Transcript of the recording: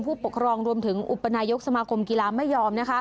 ผู้ปกครองรวมถึงอุปนายกสมาคมกีฬาไม่ยอม